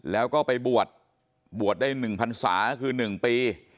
แล้วก็ไปบวชบวชได้หนึ่งพันศาคือหนึ่งปี